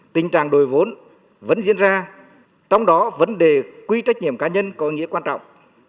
tình trạng đổi vốn vẫn diễn ra trong đó vấn đề quy trách nhiệm cá nhân có ý nghĩa quan trọng